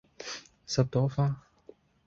十朵花